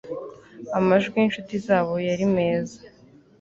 amajwi yinshuti zabo yari meza